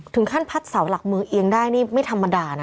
ถึงขั้นพัดเสาหลักเมืองเอียงได้นี่ไม่ธรรมดานะ